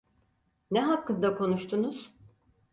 Ne hakkında konuştunuz?